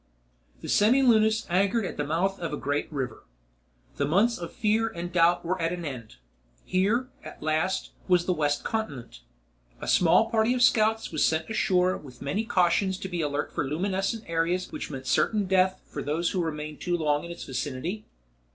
The Semilunis anchored at the mouth of a great river. The months of fear and doubt were at end. Here, at last, was the west continent. A small party of scouts was sent ashore with many cautions to be alert for luminescent areas which meant certain death for those who remained too long in its vicinity.